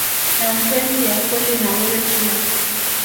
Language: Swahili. na mapenzi ya kweli na wewe Kila